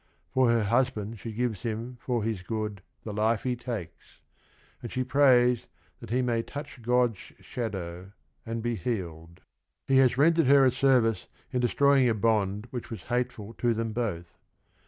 For her husband she gives him "for his good the life he takes I" — and she prays that he may "touch God's shadow and be healed." He has 118 THE RING AND THE BOOK rendered her a service in destroying a bond which was hateful to them both.